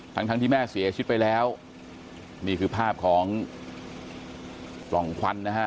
ทั้งทั้งที่แม่เสียชีวิตไปแล้วนี่คือภาพของปล่องควันนะฮะ